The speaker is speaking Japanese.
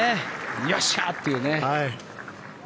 よっしゃ！っていうね。